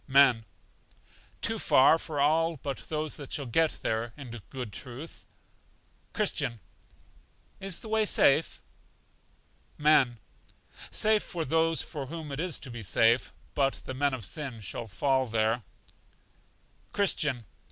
Men. Too far for all but those that shall get there, in good truth. Christian. Is the way safe? Men. Safe for those for whom it is to be safe; but the men of sin shall fall there. Christian.